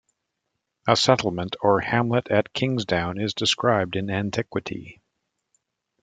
A settlement or hamlet at Kingsdown is described in antiquity.